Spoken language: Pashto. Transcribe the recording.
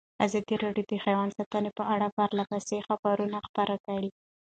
ازادي راډیو د حیوان ساتنه په اړه پرله پسې خبرونه خپاره کړي.